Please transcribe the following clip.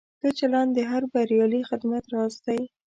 ښه چلند د هر بریالي خدمت راز دی.